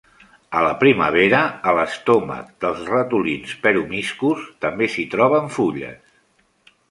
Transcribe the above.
A la primavera, a l'estomac dels ratolins peromyscus també s'hi troben fulles.